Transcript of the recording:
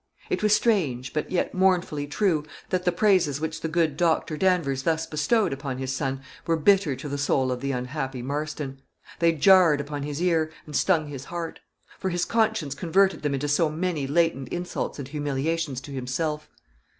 It was strange, but yet mournfully true, that the praises which the good Doctor Danvers thus bestowed upon his son were bitter to the soul of the unhappy Marston. They jarred upon his ear, and stung his heart; for his conscience converted them into so many latent insults and humiliations to himself.